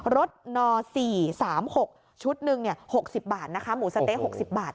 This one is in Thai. รถน๔๓๖ชุดหนึ่ง๖๐บาทนะคะหมูสะเต๊ะ๖๐บาท